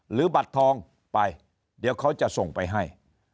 หรือบัตรทองไปเดี๋ยวเขาจะส่งไปให้